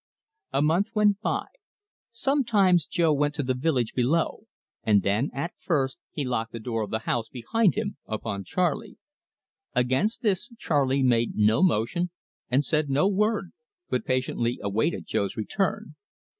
A month went by. Sometimes Jo went down to the village below, and then, at first, he locked the door of the house behind him upon Charley. Against this Charley made no motion and said no word, but patiently awaited Jo's return.